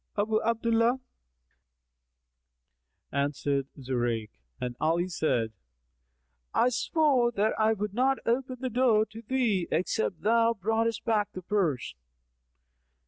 "Abu Abdallah," answered Zurayk and Ali said, "I swore that I would not open the door to thee, except thou broughtest back the purse."